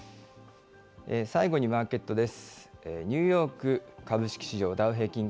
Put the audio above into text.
最後にマーケットです。